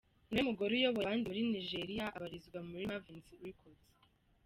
Ni we mugore uyoboye abandi muri Nigeria, abarizwa muri Mavins Records.